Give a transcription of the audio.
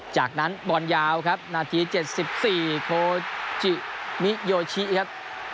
จากนั้นบอลยาวครับนาที๗๔โคจิมิโยชิครับ